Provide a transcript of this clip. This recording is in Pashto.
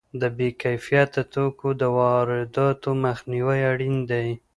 د بې کیفیته توکو د وارداتو مخنیوی اړین دی.